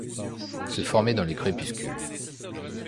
Se former dans le crépuscule